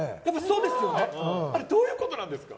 あれどういうことなんですか？